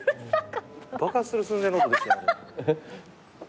爆発する寸前の音でしたよあれ。